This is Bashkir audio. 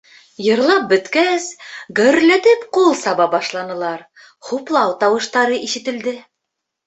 Йырлап бөткәс, гөрләтеп ҡул саба башланылар, хуплау тауыштары ишетелде.